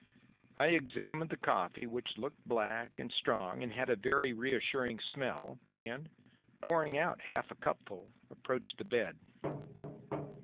I examined the coffee, which looked black and strong and had a very reassuring smell, and, pouring out half a cupful, approached the bed.